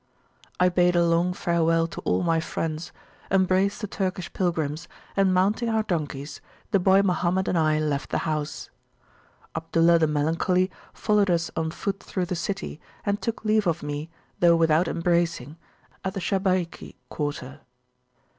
I bade a long farewell to all my friends, embraced the Turkish pilgrims, and mounting our donkeys, the boy Mohammed and I left the house. Abdullah the Melancholy followed us on foot through the city, and took leave of me, though without embracing, at the Shabayki quarter.